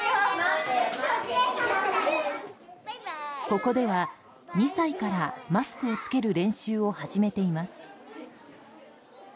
ここでは２歳からマスクを着ける練習を始めています。